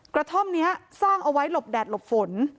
กระท่อมนี้สร้างเอาไว้หลบแดดหลบฝน